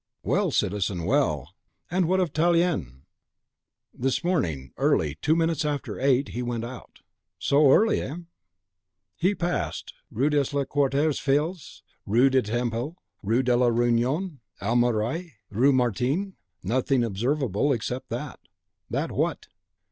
"Well, citizen, well! and what of Tallien?" "This morning, early, two minutes after eight, he went out." "So early? hem!" "He passed Rue des Quatre Fils, Rue de Temple, Rue de la Reunion, au Marais, Rue Martin; nothing observable, except that " "That what?"